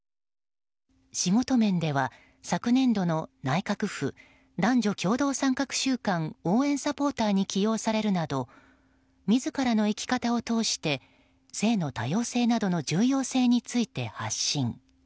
仕事面では昨年度の内閣府男女共同参画週間応援サポーターに起用されるなど自らの生き方を通して性の多様性などの重要性について発信。